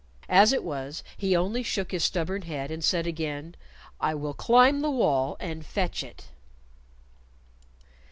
As it was, he only shook his stubborn head, and said again, "I will climb the wall and fetch it."